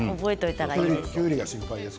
きゅうりが心配です